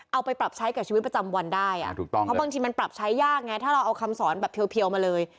เอาไปปรับใช้กับชีวิตประจำวันได้อ่ะถูกต้องเพราะบางทีมันปรับใช้ยากไงถ้าเราเอาคำสอนแบบเพียวมาเลย